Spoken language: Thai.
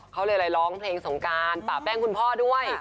เขาเลยร้องเพลงสงการป่าแป้งคุณพ่อด้วย